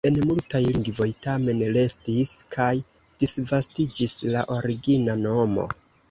En multaj lingvoj tamen restis kaj disvastiĝis la origina nomo.